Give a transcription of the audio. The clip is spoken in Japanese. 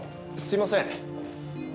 すいません。